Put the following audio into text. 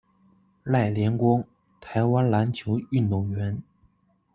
赖连光，台湾篮球运动员。